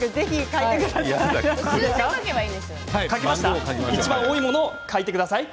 いちばん多いものを書いてください。